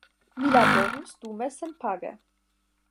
Mi laborus dume senpage.